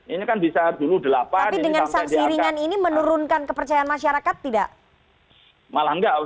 ini kan bisa dulu delapan